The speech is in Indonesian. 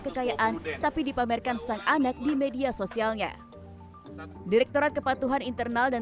kekayaan tapi dipamerkan sang anak di media sosialnya direktorat kepatuhan internal dan